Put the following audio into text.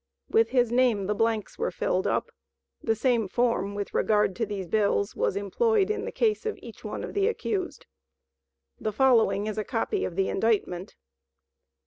With his name the blanks were filled up; the same form (with regard to these bills) was employed in the case of each one of the accused. The following is a COPY OF THE INDICTMENT.